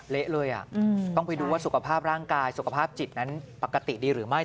เละเลยต้องไปดูว่าสุขภาพร่างกายสุขภาพจิตนั้นปกติดีหรือไม่